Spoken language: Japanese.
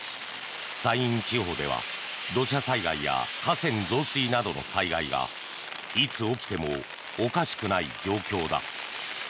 山陰地方では土砂災害や河川増水などの災害がいつ起きてもおかしくない状況だ。